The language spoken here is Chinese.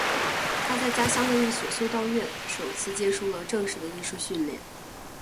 他在家乡的一所修道院首次接触了正式的艺术训练。